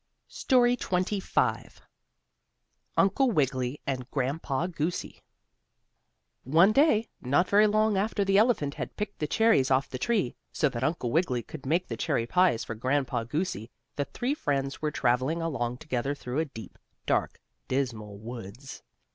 STORY XXV UNCLE WIGGILY AND GRANDPA GOOSEY One day, not very long after the elephant had picked the cherries off the tree, so that Uncle Wiggily could make the cherry pies for Grandpa Goosey, the three friends were traveling along together through a deep, dark, dismal woods.